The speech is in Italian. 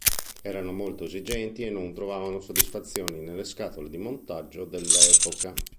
Erano molto esigenti e non trovavano soddisfazione nelle scatole di montaggio dell'epoca.